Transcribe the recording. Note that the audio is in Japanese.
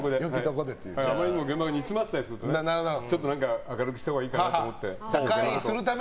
あまりにも現場が煮詰まってたりすると明るくしたほうがいいかなと思って。